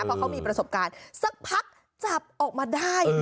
เพราะเขามีประสบการณ์สักพักจับออกมาได้